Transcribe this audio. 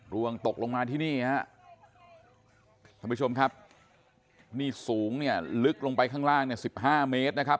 ลวงตกลงมาที่นี่ครับท่านผู้ชมครับนี่สูงเนี่ยลึกลงไปข้างล่าง๑๕เมตรนะครับ